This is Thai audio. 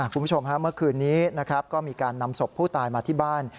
คุณผู้ชมเมื่อคืนนี้นะครับก็มีการนำศพผู้ตายมาที่บ้าน